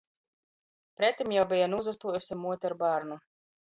Pretim jau beja nūsastuojuse muote ar bārnu.